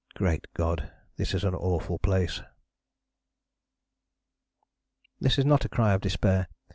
Great God! this is an awful place...." This is not a cry of despair.